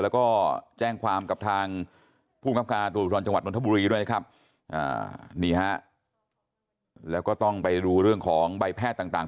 แล้วก็แจ้งความกับทางภูมิครับการตรวจภูทรจังหวัดนทบุรีด้วยนะครับนี่ฮะแล้วก็ต้องไปดูเรื่องของใบแพทย์ต่าง